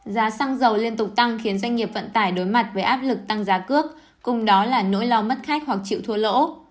giá xăng dầu liên tục tăng khiến doanh nghiệp vận tải đối mặt với áp lực tăng giá cước cùng đó là nỗi lo mất khách hoặc chịu thua lỗ